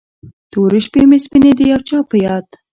تورې شپې مې سپینې د یو چا په یاد